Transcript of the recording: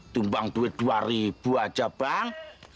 tumbang duit dua ribu aja bank